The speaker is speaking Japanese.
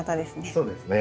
そうですね。